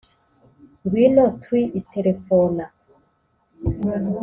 ngwino tui iterefona